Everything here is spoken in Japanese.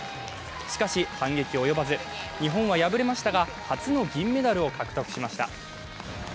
しかし、反撃及ばず日本は敗れましたが初の銀メダルを獲得しました。